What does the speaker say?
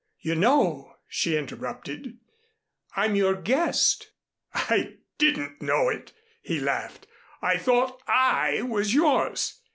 "You know," she interrupted, "I'm your guest." "I didn't know it," he laughed. "I thought I was yours.